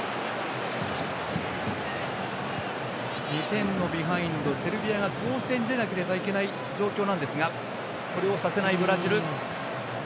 ２点のビハインド、セルビアが攻勢に出なければいけない状況なんですがそれをさせないブラジル。